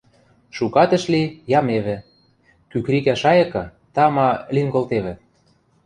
Шукат ӹш ли, ямевӹ, кӱкрикӓ шайыкы, тама, лин колтевӹ.